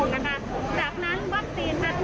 และประชาศูนย์จะได้รับวัคซีน๐๕มิลลิกรัมค่ะ